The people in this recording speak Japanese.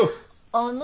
あの？